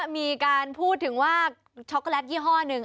มีการพูดถึงว่าช็อกโกแลตยี่ห้อหนึ่ง